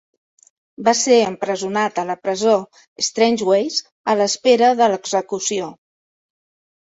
Va ser empresonat a la presó Strangeways a l'espera de l'execució.